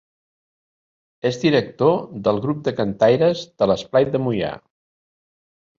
És director del Grup de Cantaires de l'Esplai de Moià.